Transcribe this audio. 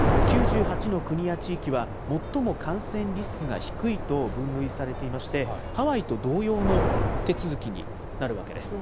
９８の国や地域は、最も感染リスクが低いと分類されていまして、ハワイと同様の手続きになるわけです。